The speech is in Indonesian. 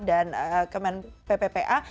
dan kemen pppa